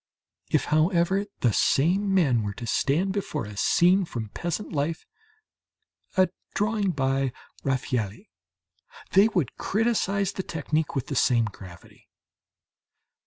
If, however, the same men were to stand before a scene from peasant life a drawing by Raffaëlli they would criticize the technique with the same gravity.